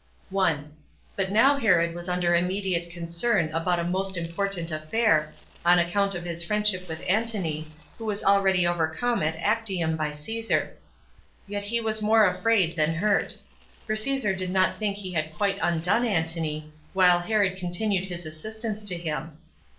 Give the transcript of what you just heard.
1. But now Herod was under immediate concern about a most important affair, on account of his friendship with Antony, who was already overcome at Actium by Caesar; yet he was more afraid than hurt; for Caesar did not think he had quite undone Antony, while Herod continued his assistance to him.